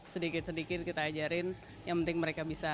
sedikit sedikit kita ajarin yang penting mereka bisa